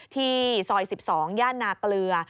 ที่ซอย๑๒ย่านนาเกลือ